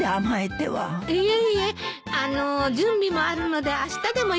いえいえあのう準備もあるのであしたでもよければ。